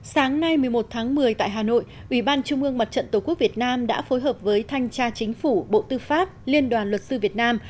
sáng nay một mươi một tháng một mươi tại hà nội ủy ban trung ương mặt trận tổ quốc việt nam đã phối hợp với thanh tra chính phủ bộ tư pháp liên đoàn luật sư việt nam